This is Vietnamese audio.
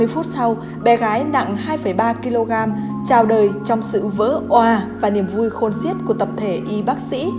ba mươi phút sau bé gái nặng hai ba kg chào đời trong sự vỡ oà và niềm vui khôn xiết của tập thể y bác sĩ